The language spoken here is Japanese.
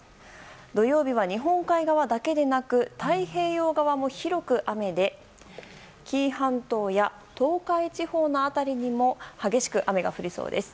土曜日は日本海側だけでなく太平洋側も広く雨で紀伊半島や東海地方の辺りにも激しく雨が降りそうです。